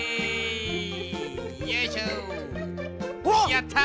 やった！